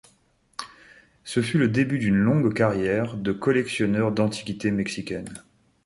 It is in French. Ce fut le début d'une longue carrière de collectionneur d'antiquités mexicaines.